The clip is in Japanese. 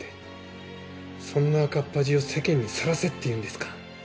そんな赤っ恥を世間にさらせっていうんですか？